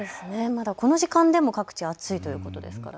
まだこの時間でも各地暑いということですからね。